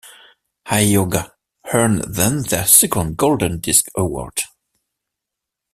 "Hayeoga" earned them their second Golden Disc Award.